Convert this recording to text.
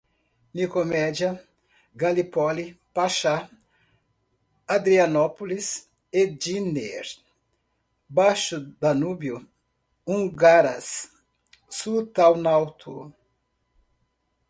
Nicomédia, Galípoli, Paxá, Adrianópolis, Edirne, Baixo Danúbio, húngaras, sultanato